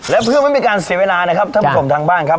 และเพื่อไม่มีการเสียเวลานะครับท่านผู้ชมทางบ้านครับ